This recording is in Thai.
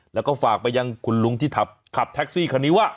แล้วก็ฝากไปยังคุณลุงที่ขับแท็กซี่คันนี้ว่า